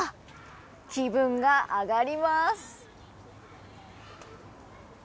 気分が上がります。